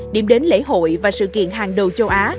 điểm đến lễ hội và sự kiện hàng đầu châu á